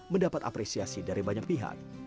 mendapat apresiasi dari banyak pihak